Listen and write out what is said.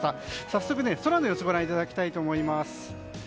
早速、空の様子をご覧いただきたいと思います。